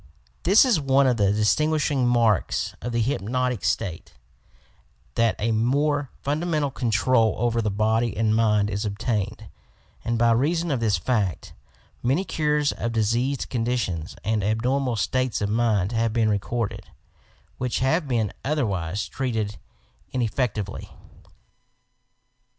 This is one of the distinguishing marks of the hyp notic state — that a more fundamental control over the body and mind is obtained, and, by reason of this fact, many cures of diseased conditions and abnormal states of mind have been recorded, — which have been other wise treated ineffeatually.